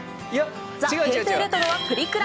ザ・平成レトロはプリクラ。